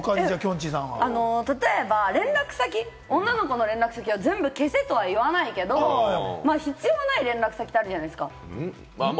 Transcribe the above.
例えば連絡先、女の子の連絡先を全部消せとは言わないけれど、必要ない連絡先ってあるじゃないですか。